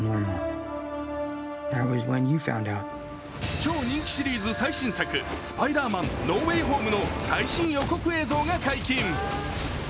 超人気シリーズ最新作「スパイダーマン：ノー・ウェイ・ホーム」の最新予告映像が解禁。